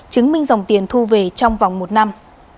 chứng minh dòng tiền thu về trong vòng một năm